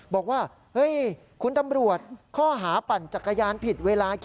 บอกว่าเฮ้ยคุณตำรวจข้อหาปั่นจักรยานผิดเวลา